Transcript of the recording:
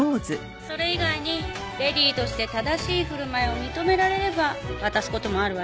それ以外に淑女として正しい振る舞いを認められれば渡すこともあるわよ。